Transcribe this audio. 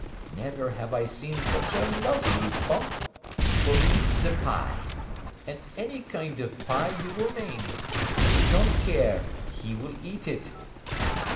Never have I seen such a lovely bump for eat ze pie! And any kind of pie you will name. He don't care. He will eat it."